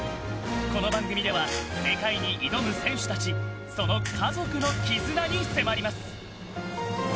この番組では世界に挑む選手たちその家族の絆に迫ります。